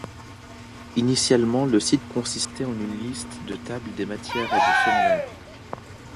Initialement le site consistait en une liste de tables des matières et de sommaires.